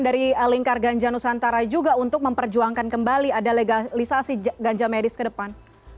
dari lingkar ganja nusantara juga untuk memperjuangkan kembali ada legalisasi ganja medis ke depan